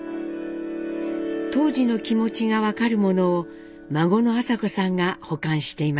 当時の気持ちが分かるものを孫の朝子さんが保管していました。